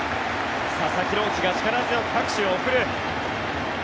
佐々木朗希が力強く拍手を送る。